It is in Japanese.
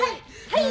はい！